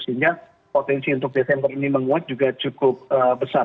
sehingga potensi untuk desember ini menguat juga cukup besar